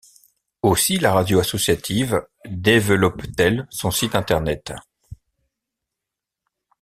Aussi la radio associative développe-t-elle son site Internet.